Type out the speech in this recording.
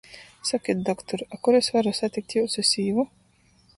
Sokit, doktur, a kur es varu satikt jiusu sīvu?...